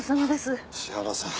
石原さん。